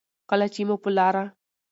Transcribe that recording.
کله چې مو په لاره